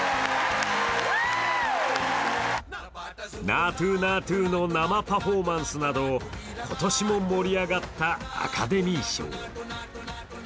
「ナートゥ・ナートゥ」の生パフォーマンスなど今年も盛り上がったアカデミー賞。